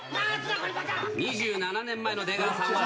２７年前の出川さんは。